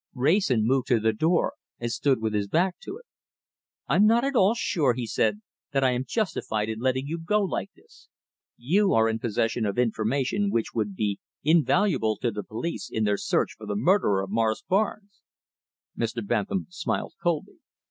Wrayson moved to the door and stood with his back to it. "I am not at all sure," he said, "that I am justified in letting you go like this. You are in possession of information which would be invaluable to the police in their search for the murderer of Morris Barnes." Mr. Bentham smiled coldly.